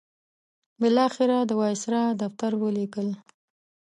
بالاخره د وایسرا دفتر ولیکل.